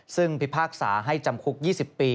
ซึ่งพิพากษาให้จำคุก๒๐ปี